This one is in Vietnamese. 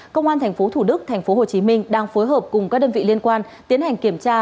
công an tp thủ đức tp hcm đang phối hợp cùng các đơn vị liên quan tiến hành kiểm tra